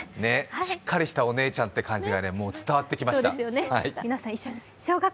しっかりしたお姉ちゃんって感じが伝わってきました。